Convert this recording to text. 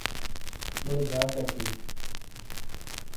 مُوڑے جاک اچیئں۔